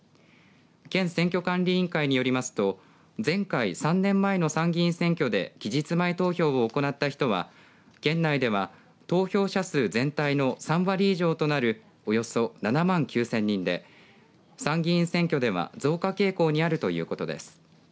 県選挙管理委員会によりますと前回３年前の参議院選挙で期日前投票を行った人は県内では投票者数全体の３割以上となるおよそ７万９０００人で参議院選挙では増加傾向にあるということです。